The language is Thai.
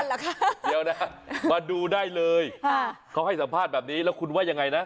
เหรอคะเดี๋ยวนะมาดูได้เลยเขาให้สัมภาษณ์แบบนี้แล้วคุณว่ายังไงนะ